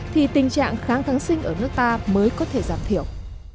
thì tình trạng kháng kháng sinh ở nước ta mới có thể giảm thiểu